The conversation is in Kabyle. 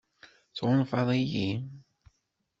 Tɣunfaḍ-iyi?